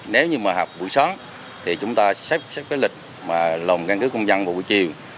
nếu như mà học buổi sáng thì chúng ta xếp cái lịch mà lồn căn cứ công dân vào buổi chiều